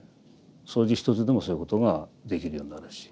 掃除一つでもそういうことができるようになるし。